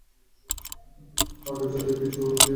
আক্রান্ত ত্বক পাউডার জাতীয় কিছু দিয়ে ঢেকে দেয়া যেতে পারে।